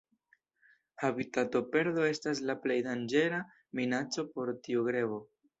Habitatoperdo estas la plej danĝera minaco por tiu grebo.